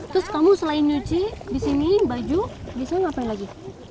terus kamu selain nyuci di sini baju bisa ngapain lagi